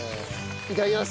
いただきます。